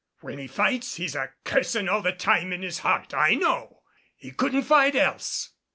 When he fights he's a cursin' all the time in his heart, I know, he couldn't fight, else."